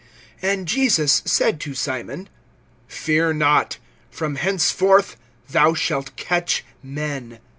And Jesus said to Simon: Fear not; from henceforth thou shalt catch men.